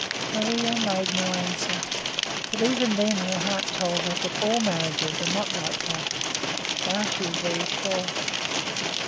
Maria made no answer, but even then her heart told her that all marriages are not like that; now she is very sure.